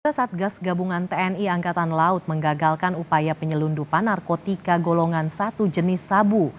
pada saat gas gabungan tni angkatan laut mengagalkan upaya penyelundupan narkotika golongan satu jenis sabu